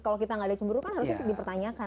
kalau kita tidak ada cemburu kan harusnya dipertanyakan